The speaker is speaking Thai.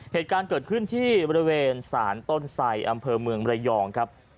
เหตุการณ์เกิดขึ้นที่บริเวณศาลต้นไสอำเภอเมืองระยองครับ